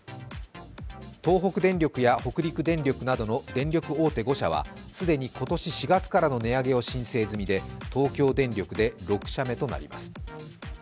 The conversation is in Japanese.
東北電力や北陸電力などの電力大手５社は既に今年４月からの値上げを申請済みで東京電力で６社目となります。